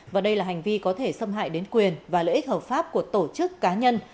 và đây là hành vi có thể xâm hại đến quyền và lợi ích hợp pháp của tổ chức cá nhân